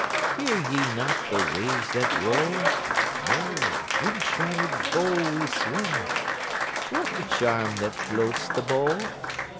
Hear ye not the waves that roll? No: in charmed bowl we swim. What the charm that floats the bowl?